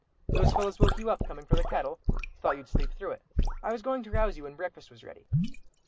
"Those fellows woke you up, coming for the cattle? Thought you'd sleep through it. I was going to rouse you when breakfast was ready."